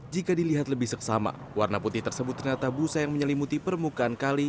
jika dilihat lebih seksama warna putih tersebut ternyata busa yang menyelimuti permukaan kali